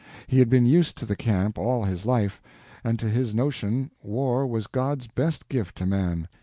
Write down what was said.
He had been used to the camp all his life, and to his notion war was God's best gift to man.